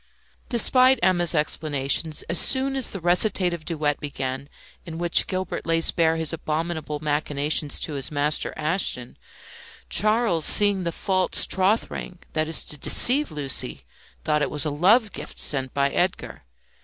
Despite Emma's explanations, as soon as the recitative duet began in which Gilbert lays bare his abominable machinations to his master Ashton, Charles, seeing the false troth ring that is to deceive Lucie, thought it was a love gift sent by Edgar.